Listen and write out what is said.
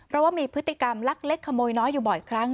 เพราะว่ามีพฤติกรรมลักเล็กขโมยน้อยอยู่บ่อยครั้ง